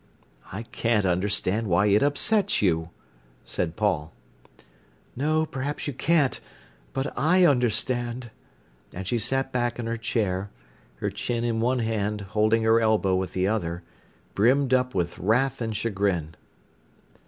"I can't understand why it upsets you," said Paul. "No, perhaps you can't. But I understand;" and she sat back in her chair, her chin in one hand, holding her elbow with the other, brimmed up with wrath and chagrin.